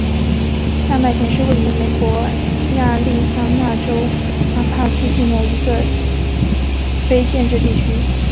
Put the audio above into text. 下麦田是位于美国亚利桑那州阿帕契县的一个非建制地区。